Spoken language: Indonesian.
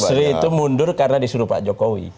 gusri itu mundur karena disuruh pak jokowi